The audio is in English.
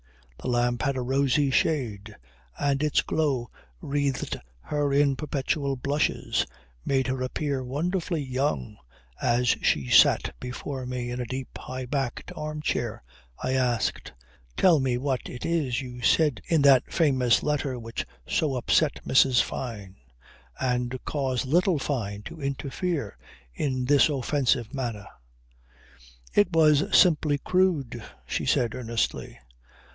The lamp had a rosy shade; and its glow wreathed her in perpetual blushes, made her appear wonderfully young as she sat before me in a deep, high backed arm chair. I asked: "Tell me what is it you said in that famous letter which so upset Mrs. Fyne, and caused little Fyne to interfere in this offensive manner?" "It was simply crude," she said earnestly.